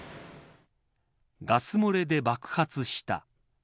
ガス漏れで爆発した。